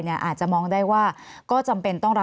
มีความรู้สึกว่ามีความรู้สึกว่า